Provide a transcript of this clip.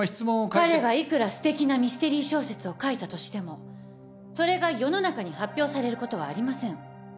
彼がいくらすてきなミステリー小説を書いたとしてもそれが世の中に発表されることはありません。